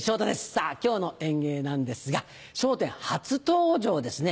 さぁ今日の演芸なんですが『笑点』初登場ですね